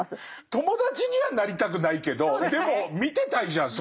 友達にはなりたくないけどでも見てたいじゃんそういう人。